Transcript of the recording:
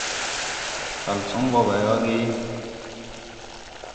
Kalson bo bay wa ge?